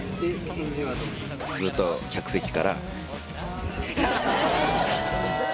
男性：ずっと客席から。